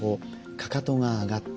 かかとが上がった。